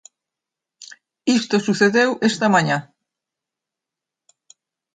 Isto sucedeu esta mañá.